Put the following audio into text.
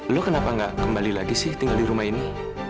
lu kenapa nggak kembali lagi sih tinggal di rumah ini